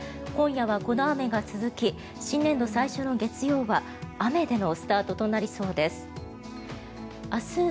今夜はこの雨が続き新年度最初の月曜は雨でのスタートとなりそうです。